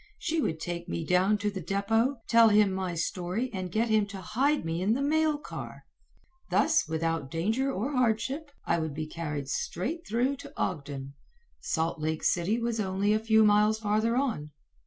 She would take me down to the depot, tell him my story, and get him to hide me in the mail car. Thus, without danger or hardship, I would be carried straight through to Ogden. Salt Lake City was only a few miles farther on.